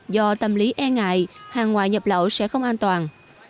do tâm lý e ngại hàng ngoại nhập lậu sẽ không an toàn